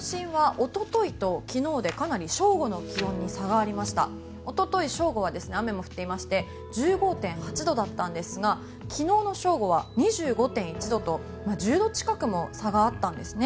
おととい正午は雨も降っていまして１５．８度だったんですが昨日の正午は２５．１度と１０度近くも差があったんですね。